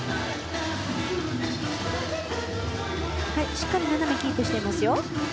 しっかり斜めをキープしています。